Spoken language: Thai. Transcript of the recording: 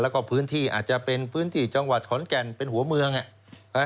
แล้วก็พื้นที่อาจจะเป็นพื้นที่จังหวัดขอนแก่นเป็นหัวเมือง